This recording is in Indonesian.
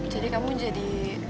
jadi kamu jadi